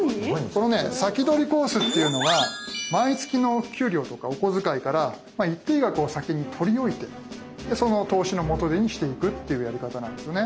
このね「先取りコース」っていうのは毎月の給料とかお小遣いから一定額を先に取り置いてその投資の元手にしていくっていうやり方なんですよね。